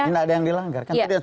tidak ada yang dilanggar